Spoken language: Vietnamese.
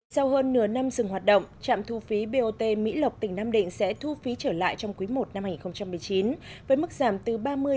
sau hơn nửa năm dừng hoạt động trạm thu phí bot mỹ lộc tỉnh nam định sẽ thu phí trở lại trong quý i năm hai nghìn một mươi chín với mức giảm từ ba mươi năm mươi